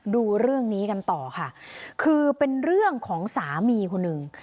ดูเรื่องนี้กันต่อค่ะคือเป็นเรื่องของสามีคนหนึ่ง